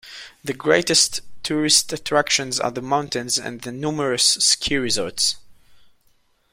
The greatest tourist attractions are the mountains and the numerous ski resorts.